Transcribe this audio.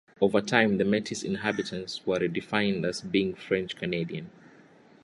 Over time the Metis inhabitants were redefined as being French-Canadian.